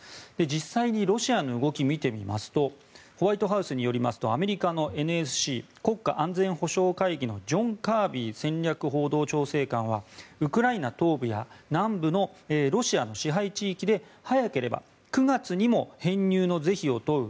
実際にロシアの動きを見てみますとホワイトハウスによりますとアメリカのＮＳＣ・国家安全保障会議のジョン・カービー戦略報道調整官はウクライナ東部や南部のロシアの支配地域で早ければ９月にも編入の是非を問う